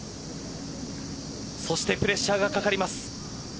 そしてプレッシャーがかかります。